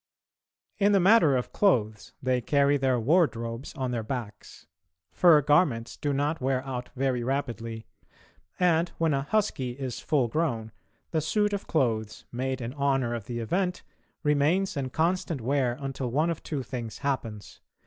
In the matter of clothes they carry their wardrobes on their backs. Fur garments do not wear out very rapidly, and, when a "husky" is full grown, the suit of clothes, made in honour of the event, remains in constant wear until one of two things happens.